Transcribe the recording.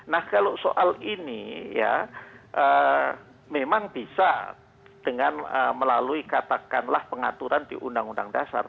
nah kalau soal ini ya memang bisa dengan melalui katakanlah pengaturan di undang undang dasar